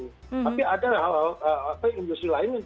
tapi ada industri lain yang